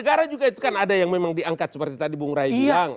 karena itu kan ada yang memang diangkat seperti tadi bang rai bilang